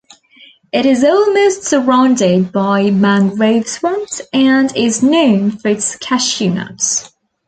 It is almost surrounded by mangrove swamps and is known for its cashew nuts.